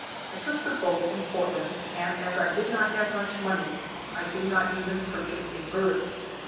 I took the boat from Portland and as I did not have much money, I did not even purchase a berth.